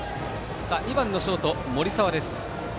２番のショート、森澤です。